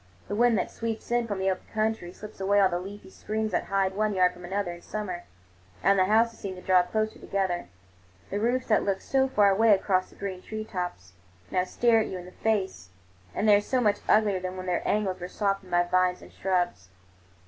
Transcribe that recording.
The wind that sweeps in from the open country strips away all the leafy screens that hide one yard from another in summer, and the houses seem to draw closer together. The roofs, that looked so far away across the green tree tops, now stare you in the face, and they are so much uglier than when their angles were softened by vines and shrubs.